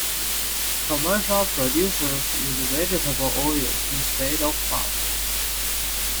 Commercial producers use vegetable oils instead of butter.